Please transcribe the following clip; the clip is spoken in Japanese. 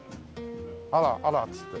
「あらあら」って言って。